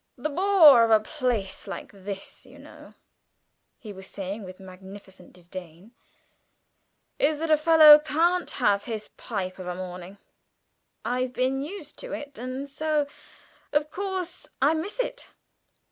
"The bore of a place like this, you know," he was saying with magnificent disdain, "is that a fellow can't have his pipe of a morning. I've been used to it, and so, of course, I miss it.